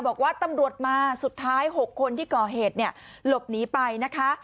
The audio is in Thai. บอกว่าตำรวจมาสุดท้าย๖คนที่ก่อเหตุเนี่ยหลบหนีไปนะคะ